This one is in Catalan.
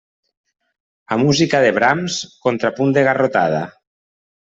A música de brams, contrapunt de garrotada.